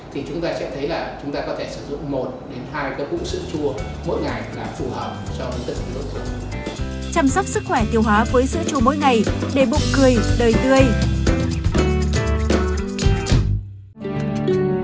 thì chúng ta sẽ thấy là chúng ta có thể sử dụng một đến hai cái bụng sữa chua mỗi ngày là phù hợp cho tất cả đối tượng